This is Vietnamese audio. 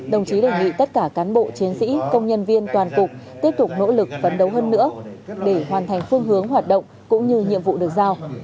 đồng chí đề nghị tất cả cán bộ chiến sĩ công nhân viên toàn cục tiếp tục nỗ lực phấn đấu hơn nữa để hoàn thành phương hướng hoạt động cũng như nhiệm vụ được giao